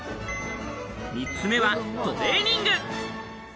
３つ目はトレーニング。